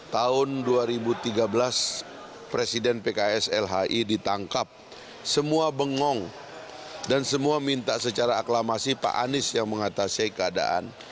tahun dua ribu tiga belas presiden pks lhi ditangkap semua bengong dan semua minta secara aklamasi pak anies yang mengatasi keadaan